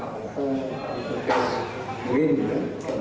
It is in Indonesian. memang seperti kapal kapal kapal kapal murid juga